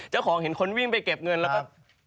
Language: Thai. เจ้าของเห็นคนวิ่งไปเก็บเงินแล้วก็